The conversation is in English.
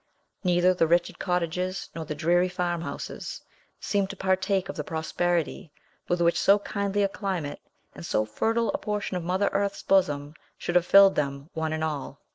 Neither the wretched cottages nor the dreary farmhouses seemed to partake of the prosperity, with which so kindly a climate, and so fertile a portion of Mother Earth's bosom, should have filled them, one and all.